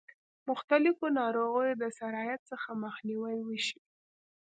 مختلفو ناروغیو د سرایت څخه مخنیوی وشي.